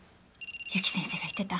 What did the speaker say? ゆき先生が言ってた。